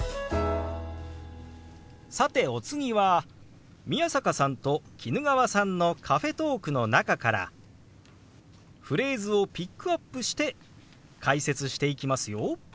さてお次は宮坂さんと衣川さんのカフェトークの中からフレーズをピックアップして解説していきますよ。